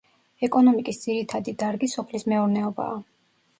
ეკონომიკის ძირითადი დარგი სოფლის მეურნეობაა.